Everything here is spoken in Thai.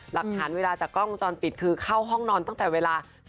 หลักฐานเวลาจากกล้องวงจรปิดคือเข้าห้องนอนตั้งแต่เวลา